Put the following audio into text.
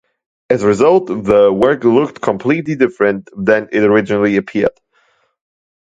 As a result, the work looked completely different than it originally appeared.